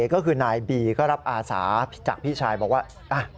ก็คือนายบีก็รับอาสาจากพี่ชายบอกว่า